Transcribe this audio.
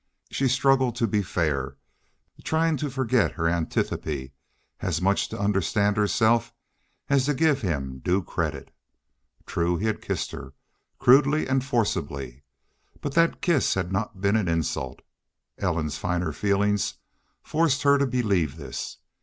She struggled to be fair, trying to forget her antipathy, as much to understand herself as to give him due credit. True, he had kissed her, crudely and forcibly. But that kiss had not been an insult. Ellen's finer feeling forced her to believe this.